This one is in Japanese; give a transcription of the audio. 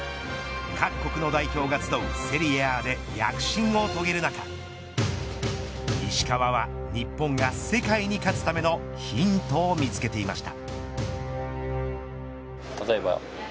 各国の代表が集うセリエＡで躍進を遂げる中石川は日本が世界に勝つためのヒントを見つけていました。